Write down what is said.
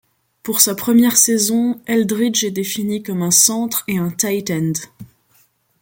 Pour sa première saison, Eldridge est défini comme un centre et un tight end.